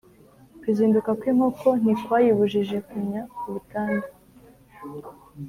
Kuzinduka kw’inkoko ntikwayibujije kunnya ku butanda.